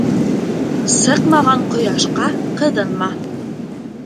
Сыҡмаған ҡояшҡа ҡыҙынма.